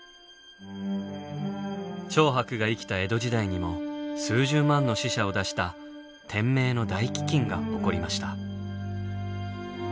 長伯が生きた江戸時代にも数十万の死者を出した「天明の大飢饉」が起こりました。